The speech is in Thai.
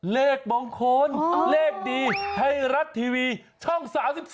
เลขมงคลเลขดีไทยรัฐทีวีช่อง๓๒